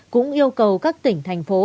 cũng yêu cầu các tỉnh thành phố